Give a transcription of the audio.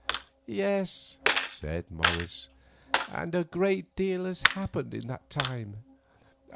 "Yes," said Morris, "and a great deal has happened in that time."